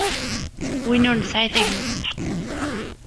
Win ur nesɛi tagmat meḥqur.